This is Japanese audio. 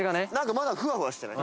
まだふわふわしてない？